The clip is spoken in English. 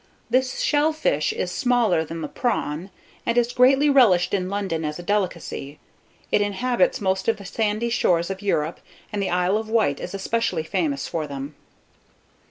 ] THE SHRIMP. This shell fish is smaller than the prawn, and is greatly relished in London as a delicacy. It inhabits most of the sandy shores of Europe, and the Isle of Wight is especially famous for them.